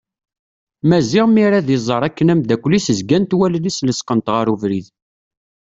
Maziɣ mi ara ad iẓer akken amddakel-is zgant wallen-is lesqent ɣer ubrid.